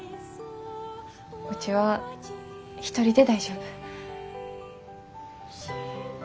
うちは一人で大丈夫。